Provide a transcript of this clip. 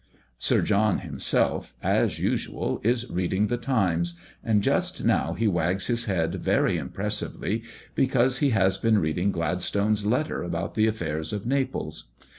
Sir John himself, as usual, is reading the Times, and just now he wags his head very impressively, because he has been reading Gladstone's letter about the affairs of Naples.